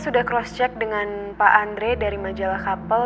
sudah cross check dengan pak andre dari majalah kapal